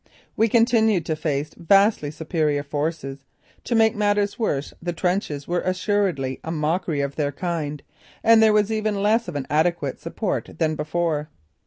We continued to face vastly superior forces. To make matters worse the trenches were assuredly a mockery of their kind and there was even less of adequate support than before.